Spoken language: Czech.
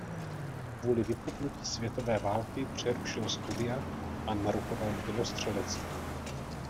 Kvůli vypuknutí světové války přerušil studia a narukoval k dělostřelectvu.